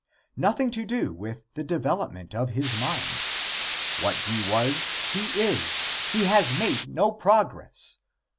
Nothing to do with the development of his mind. What he was, he is. He has made no progress.